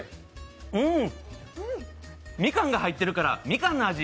うーん、みかんが入ってるからみかんの味。